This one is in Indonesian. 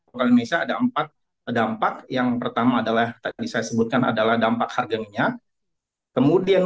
indonesia ada empat dampak yang pertama adalah tadi saya sebutkan adalah dampak harganya kemudian